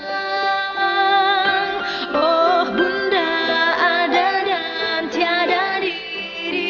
oh bunda ada dan tiada diri